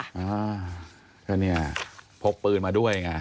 อ่าก็เนี่ยพกปืนมาด้วยไง